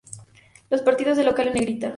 Los partidos de local en Negrita.